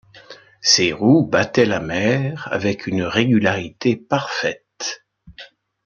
Ses roues battaient la mer avec une régularité parfaite.